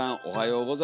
おはよう。